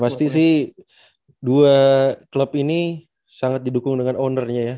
pasti sih dua klub ini sangat didukung dengan ownernya ya